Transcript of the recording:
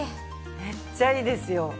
めっちゃいいですよ。